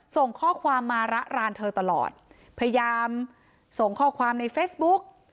ส่งข้อความมาระรานเธอตลอดพยายามส่งข้อความในเฟซบุ๊ก